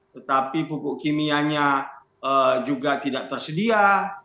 tetapi pupuk kimianya juga tidak tersedia